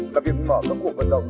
là việc mở tâm hồn vận động